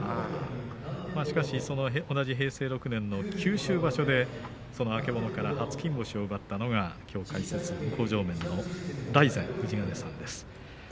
同じ平成６年の九州場所でその曙から初金星を奪ったのはきょう解説、向正面の大善の富士ヶ根さんです。